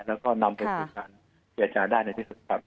แล้วก็นำไปสู่สถานที่อาจารย์ได้ในที่สุดครับ